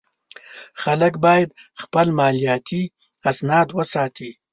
خلک باید خپل مالیاتي اسناد وساتي.